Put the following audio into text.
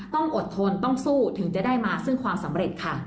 ต้องอดทนต้องสู้ถึงจะได้มาซึ่งความสำเร็จค่ะ